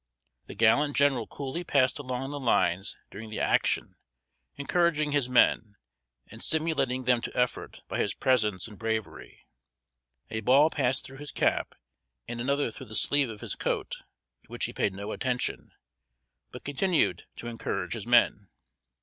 The gallant general coolly passed along the lines during the action encouraging his men, and stimulating them to effort by his presence and bravery. A ball passed through his cap and another through the sleeve of his coat, to which he paid no attention, but continued to encourage his men.